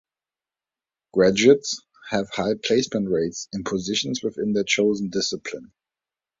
Graduates have high placement rates in positions within their chosen discipline.